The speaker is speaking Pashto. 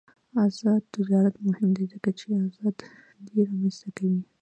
آزاد تجارت مهم دی ځکه چې ازادي رامنځته کوي.